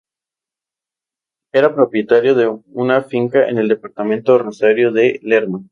Era propietario de una finca en el departamento Rosario de Lerma.